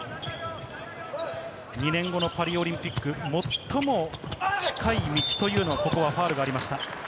２年後のパリオリンピック、最も近い道というのが、ここはファウルがありました。